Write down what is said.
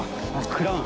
クラウン。